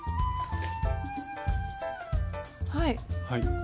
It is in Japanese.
はい。